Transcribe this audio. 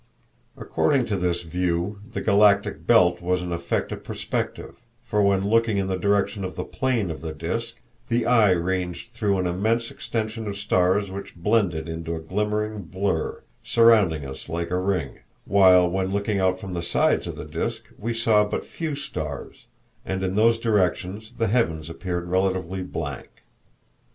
According to this view, the galactic belt was an effect of perspective; for when looking in the direction of the plane of the disk, the eye ranged through an immense extension of stars which blended into a glimmering blur, surrounding us like a ring; while when looking out from the sides of the disk we saw but few stars, and in those directions the heavens appeared relatively blank.